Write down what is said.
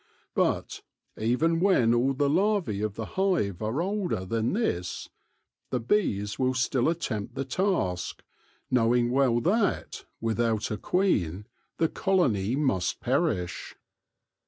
But, even when all the larvae of the hive are older than this, the bees will still attempt the task, knowing well that, without a queen, the colony must perish.